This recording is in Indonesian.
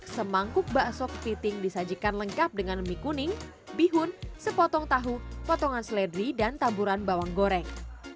semangkuk bakso kepiting disajikan lengkap dengan mie kuning bihun sepotong tahu potongan seledri dan taburan bawang goreng